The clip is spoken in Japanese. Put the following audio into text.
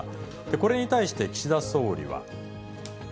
これに対して岸田総理は。